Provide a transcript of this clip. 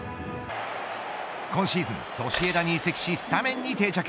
今シーズン、ソシエダに移籍しスタメンに定着。